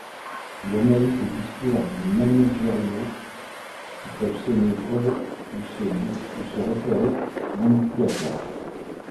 Il analyse les discours managériaux, qui peuvent sonner creux ou se révéler manipulatoires.